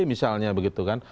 misalnya begitu kan